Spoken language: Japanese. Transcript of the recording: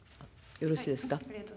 よろしいですか。